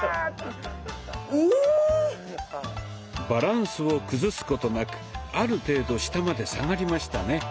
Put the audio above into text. バランスを崩すことなくある程度下まで下がりましたね。